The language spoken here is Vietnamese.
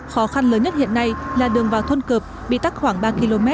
khó khăn lớn nhất hiện nay là đường vào thôn cợp bị tắt khoảng ba km